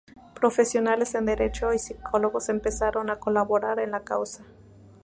Profesionales en derecho y psicólogos empezaron a colaborar en la causa.